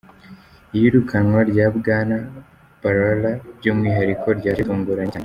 Iyirukanwa rya Bwana Bharara by'umwihariko ryaje ritunguranye cyane.